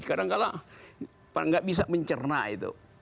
kadang kadang nggak bisa mencerna itu